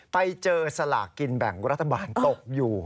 ไปเจอสลากกินแบ่งรัฐบาลตกอยู่